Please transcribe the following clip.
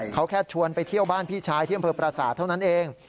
เขาแค่ชวนไปเที่ยวบ้านพี่ชายที่อำเภอประสาทเท่านั้นเอง